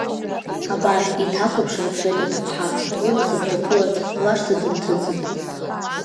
Абар еиҭа ақәыԥшра дцоит аҭыԥҳа, Лынасыԥ даԥыларц лашҭа дынҭыҵит.